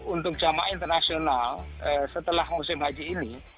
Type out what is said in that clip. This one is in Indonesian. untuk jamaah internasional setelah musim haji ini